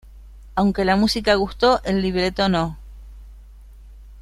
Aunque la música gustó, el libreto no.